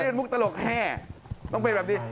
นี่มันมุกตลกแห้ต้องเป็นแบบนี้